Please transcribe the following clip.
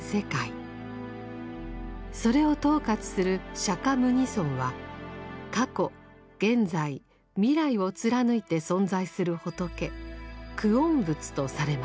それを統括する釈牟尼尊は過去現在未来を貫いて存在する仏「久遠仏」とされます。